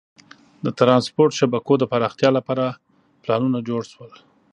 د ترانسپورت شبکو د پراختیا لپاره پلانونه جوړ شول.